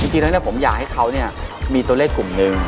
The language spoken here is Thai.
จริงแล้วผมอยากให้เขามีตัวเลขกลุ่มหนึ่ง